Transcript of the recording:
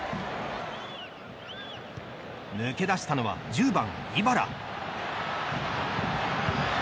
抜け出したのは１０番、イバラ。